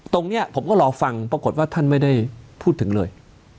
ตรงนี้ผมก็รอฟังปรากฏว่าท่านไม่ได้พูดถึงเลย